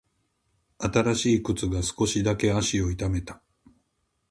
新しい靴が少しだけ足を痛めた。